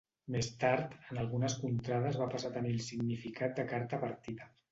Més tard, en algunes contrades va passar a tenir el significat de carta partida.